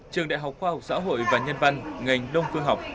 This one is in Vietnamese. trường đại học khoa học xã hội và nhân văn ngành đông phương học